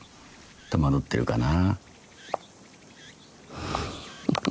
戸惑ってるかな。